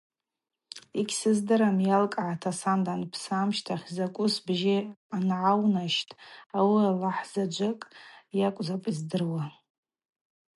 Йгьсыздырам йалкӏгӏата сан данпсы амщтахь закӏву сбжьы ангӏаунащт, ауи Алахӏ заджвыкӏ йакӏвзапӏ йыздыруа.